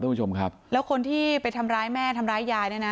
คุณผู้ชมครับแล้วคนที่ไปทำร้ายแม่ทำร้ายยายเนี่ยนะ